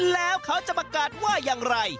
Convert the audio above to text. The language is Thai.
แล้วเขาจะประกาศว่าอย่างไร